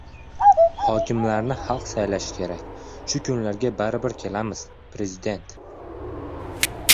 «Hokimlarni xalq saylashi kerak. Shu kunlarga baribir kelamiz» — Prezident